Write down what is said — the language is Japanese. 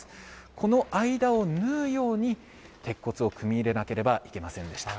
この間を縫うように、鉄骨を組み入れなければいけませんでした。